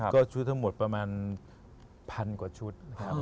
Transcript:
ก็ชุดทั้งหมดประมาณพันกว่าชุดนะครับ